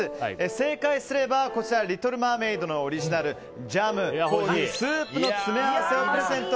正解すればこちらリトルマーメイドのオリジナルジャム、コーヒー、スープの詰め合わせをプレゼント。